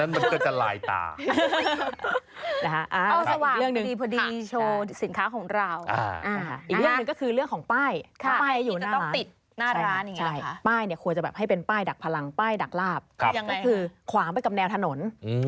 ใบใช่ป้ายเนี้ยควรจะแบบให้เป็นป้ายดักพลังป้ายดักราบความระดับแนวถนน